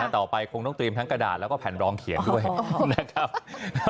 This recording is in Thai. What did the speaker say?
ต่อไปคงต้องเตรียมทั้งกระดาษแล้วก็แผ่นรองเขียนด้วยนะครับ